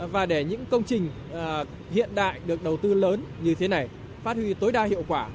và để những công trình hiện đại được đầu tư lớn như thế này phát huy tối đa hiệu quả